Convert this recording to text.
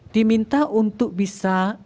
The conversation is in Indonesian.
diminta untuk bisa